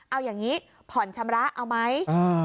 เอาอย่างนี้ผ่อนชำระเอาไหม